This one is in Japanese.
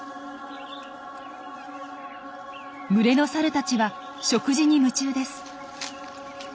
群れのサルたちは食事に夢中です。